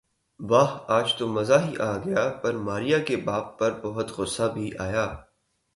واہ آج تو مزہ ہی آ گیا پر ماریہ کے باپ پر بہت غصہ بھی آیا